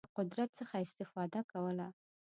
له قدرت څخه استفاده کوله.